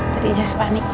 tadi jess panik